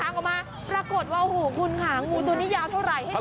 หางออกมาปรากฏว่าหูคุณค่ะงูตัวนี้ยาวเท่าไหร่